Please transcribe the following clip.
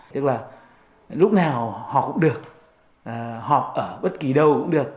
tức là lúc nào họ cũng được họp ở bất kỳ đâu cũng được